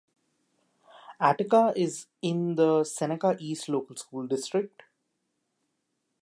Attica is in the Seneca East Local School District.